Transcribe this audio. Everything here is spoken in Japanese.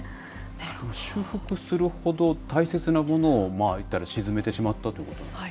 修復するほど大切なものを、いったら沈めてしまったということなんですね。